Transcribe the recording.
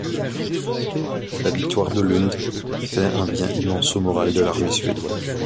La victoire de Lund fait un bien immense au moral de l'armée suédoise.